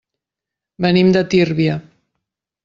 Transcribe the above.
Venim de Tírvia.